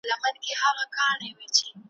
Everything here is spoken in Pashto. خدایه زما وطن به کله په سیالانو کي راشمار کې `